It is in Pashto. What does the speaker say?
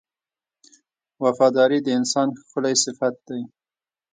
• وفاداري د انسان ښکلی صفت دی.